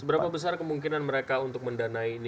seberapa besar kemungkinan mereka untuk mendanai ini